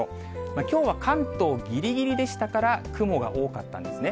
きょうは関東ぎりぎりでしたから、雲が多かったんですね。